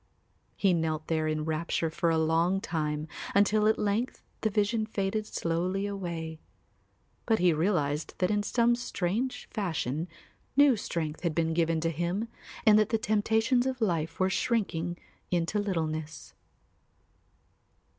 He knelt there in a rapture for a long time until at length the vision faded slowly away. But he realised that in some strange fashion new strength had been given to him and that the temptations of life were shrinking into littleness.